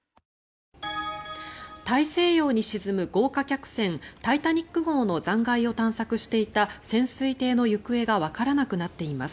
大西洋に沈む豪華客船「タイタニック号」の残骸を探索していた潜水艇の行方がわからなくなっています。